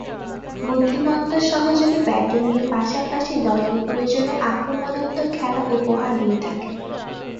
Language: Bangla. বুদ্ধিমত্তা সহযোগে ব্যাটিংয়ের পাশাপাশি দলের প্রয়োজনে আক্রমণাত্মক খেলা উপহার দিয়ে থাকেন।